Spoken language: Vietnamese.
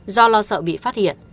do lo sợ bị phát hiện